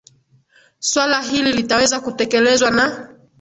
swala hili litaweza kutekelezwa na